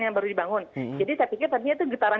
yang baru dibangun jadi saya pikir tadinya itu getaran